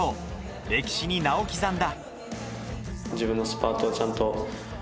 歴史に名を刻んだ。